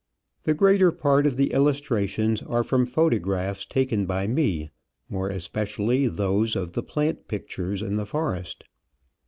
The greater part of the illustrations are from photographs taken by me, more especially those of the plant pictures in the forest.